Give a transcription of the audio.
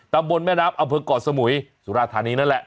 ตำบลแม่น้ำอำเภอก่อสมุยสุราธานีนั่นแหละ